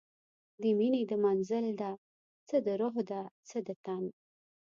د میینې د منزل ده، څه د روح ده څه د تن